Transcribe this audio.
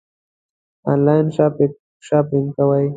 آنلاین شاپنګ کوئ؟